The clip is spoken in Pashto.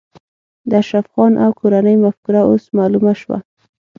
د اشرف خان او کورنۍ مفکوره اوس معلومه شوه